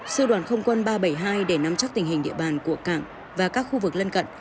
sư đoàn không quân ba trăm bảy mươi hai để nắm chắc tình hình địa bàn của cảng và các khu vực lân cận